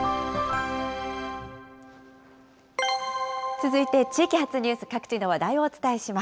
続いて地域発ニュース、各地の話題をお伝えします。